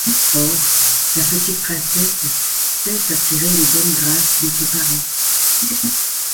Or, la petite princesse sait s'attirer les bonnes grâces de ses parents.